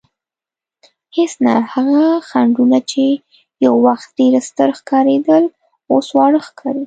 هېڅ نه، هغه خنډونه چې یو وخت ډېر ستر ښکارېدل اوس واړه ښکاري.